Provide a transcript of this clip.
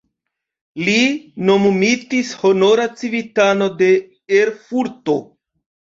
Li nomumitis honora civitano de Erfurto.